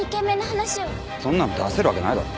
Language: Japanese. そんなん出せるわけないだろ。